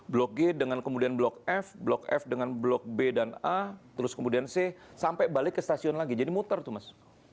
blok g dengan kemudian blok f blok f dengan blok b dan a terus kemudian c sampai balik ke stasiun lagi jadi muter tuh mas